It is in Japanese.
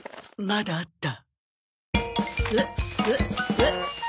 まだあった。